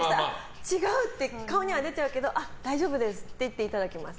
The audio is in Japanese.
違う！って顔には出ちゃうけどあっ、大丈夫ですっていただきます。